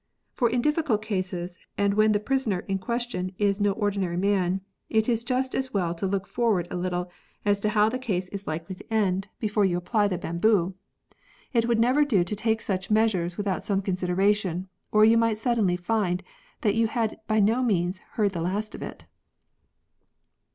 [For in difficult cases and when the prisoner in question is no ordinary man, it is just as well to look forward a little as to how the case is likely to end I40 TORTURE, before you apply the bamboo. It would never do to take such measures without some consideration, or you might suddenly find that you had by no means heard the last of it.